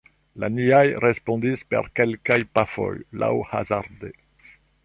La niaj respondis per kelkaj pafoj, laŭhazarde.